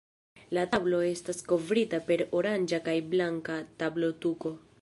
La tablo estas kovrita per oranĝa kaj blanka tablotuko.